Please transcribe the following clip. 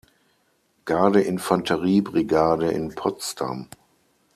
Garde-Infanterie-Brigade in Potsdam.